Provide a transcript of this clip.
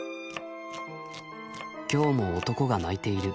「今日も男が泣いている。